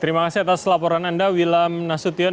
terima kasih atas laporan anda wilam nasution